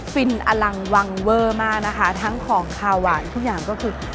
ฟินอลังวังเวอร์มากนะคะทั้งของขาวหวานทุกอย่างก็คือ